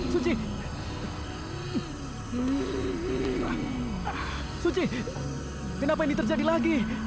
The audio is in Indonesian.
suci kenapa ini terjadi lagi